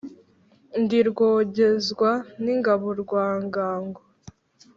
ndi rwogezwa n'ingabo rwa ngango,